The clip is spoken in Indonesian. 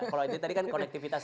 kalau itu tadi kan konektivitas